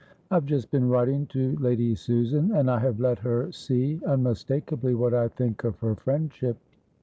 I've just been writing to Lady Susan, and I have let her see unmistakably what I think of her friendship.